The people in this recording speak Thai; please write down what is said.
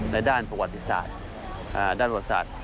ด้านประวัติศาสตร์ด้านประวัติศาสตร์